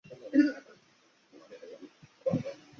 比赛设最佳老棋手。